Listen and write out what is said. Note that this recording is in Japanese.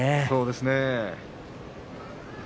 そうですね。